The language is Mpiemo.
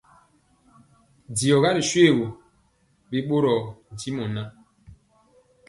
D@Diɔga ri shoégu, bi ɓorɔɔ ntimɔ ŋan.